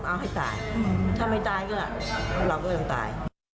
ถ้าไม่ตายก็เราก็ต้องตาย